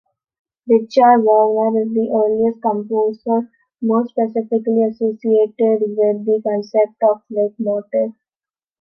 Richard Wagner is the earliest composer most specifically associated with the concept of leitmotif.